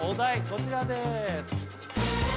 こちらです